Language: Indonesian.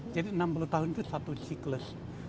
jadi enam puluh tahun itu satu siklus